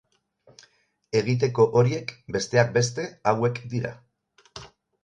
Egiteko horiek, besteak beste, hauek dira.